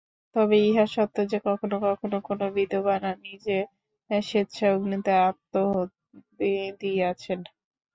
তবে ইহা সত্য যে, কখনও কখনও কোন বিধবা নিজে স্বেচ্ছায় অগ্নিতে আত্মাহুতি দিয়াছেন।